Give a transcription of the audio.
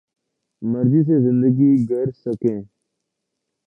مرضی سے زندگی گرز سکیں